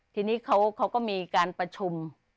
ทีนี้เขาก็มีการประชุม